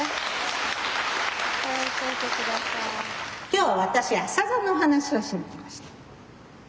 今日は私アサザの話をしに来ました。